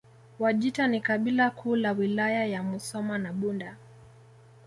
Wajita ni kabila kuu la Wilaya ya Musoma na Bunda